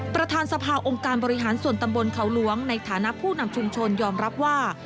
ประธานสภาองค์การบริหารส่วนตำบลเขาหลวงในฐานะผู้นำชุมชนยอมรับว่า